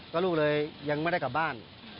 ก็ลูกเลยยังไม่ได้กลับบ้าน